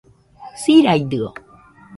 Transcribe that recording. Siraidɨo